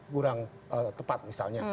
kurang tepat misalnya